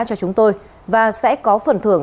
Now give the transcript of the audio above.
cho chúng tôi và sẽ có phần thưởng